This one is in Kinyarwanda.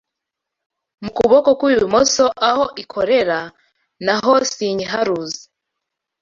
Mu kuboko kw’ibumoso aho ikorera, na ho sinyiharuzi